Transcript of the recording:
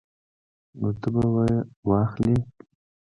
نو ته به یې واخلې